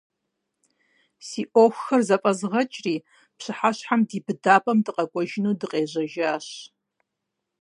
Си Ӏуэхухэр зэфӀэзгъэкӀри, пщыхьэщхьэм ди быдапӀэм дыкъэкӀуэжыну дыкъежьэжащ.